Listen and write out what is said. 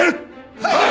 はい！